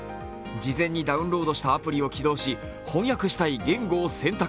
事前にダウンロードしたアプリを起動し、翻訳したい言語を選択。